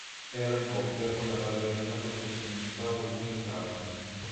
Era in coppia con la ballerina professionista Witney Carson.